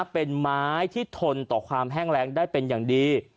เป็นไม้ที่ทนต่อความแห้งแรงได้เป็นอย่างดี